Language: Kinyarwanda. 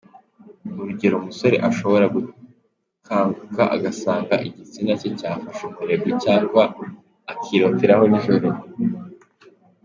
Urugero, umusore ashobora gukanguka agasanga igitsina cye cyafashe umurego cyangwa akiroteraho nijoro.